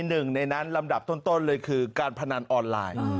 หนึ่งในนั้นลำดับต้นเลยคือการพนันออนไลน์